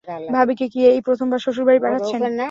ভাবিকে কি এই প্রথমবার শশুর বাড়ি পাঠাচ্ছেন?